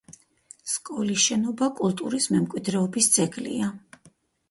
სკოლის შენობა კულტურის მემკვიდრეობის ძეგლია.